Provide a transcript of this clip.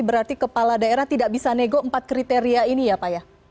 berarti kepala daerah tidak bisa nego empat kriteria ini ya pak ya